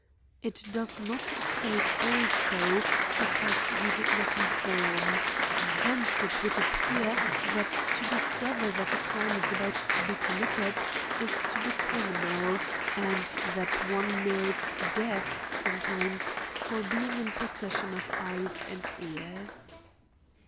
^^ It does not state also, becaube he did not inform. Hence it would appear, that to discover that a crime is about to be committed, is to be criminal ; and that one merits death, sometimes, for being in possession of eyes and ears.